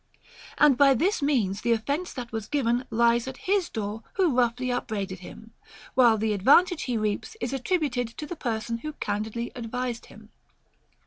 And by this means the offence that was given lies at his door who roughly upbraided him ; whilst the advantage he reaps is attributed to the person who can didly advised him.